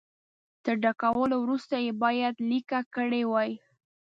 تر ډکولو وروسته یې باید لیکه کړي وای.